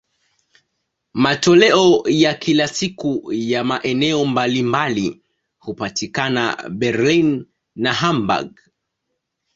Matoleo ya kila siku ya maeneo mbalimbali hupatikana Berlin na Hamburg.